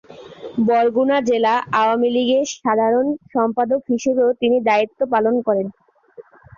বরগুনা জেলা আওয়ামী লীগের সাধারণ সম্পাদক হিসেবেও তিনি দায়িত্ব পালন করেন।